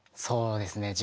そうですね